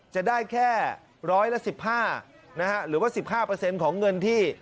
จะได้แค่ร้อยละ๑๕หรือว่า๑๕ของเงินที่